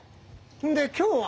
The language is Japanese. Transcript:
で今日は。